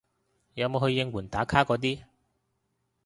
有冇去應援打卡嗰啲